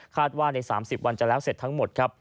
คาดว่าใน๓๐วันจะเสร็จทั้งหมด